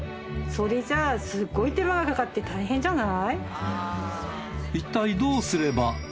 それじゃあすごい手間がかかって大変じゃない？